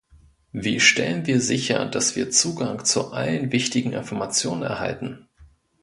Wie stellen wir sicher, dass wir Zugang zu allen wichtigen Informationen erhalten?